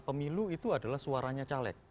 pemilu itu adalah suaranya caleg